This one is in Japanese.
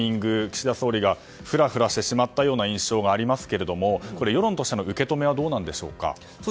岸田総理がフラフラしてしまった印象がありますが世論としての受け止めはどうなんでしょうか。